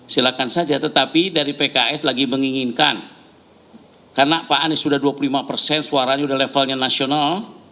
silahkan saja tetapi dari pks lagi menginginkan karena pak anies sudah dua puluh lima persen suaranya sudah levelnya nasional